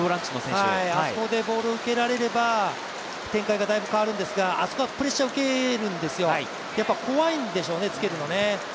あそこでボールを受けられれば、展開がだいぶ変わるんですが、あそこはプレッシャーを受けるんですよ、やっぱり怖いんでしょうねつけるのが。